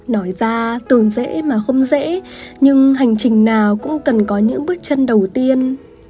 nói ra tồn dễ mà không dễ nhưng hành trình nào cũng cần có những bước chân đầu tiên